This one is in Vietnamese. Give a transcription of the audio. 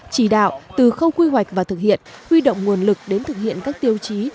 chỉ đạo từ khâu quy hoạch và thực hiện huy động nguồn lực đến thực hiện các tiêu chí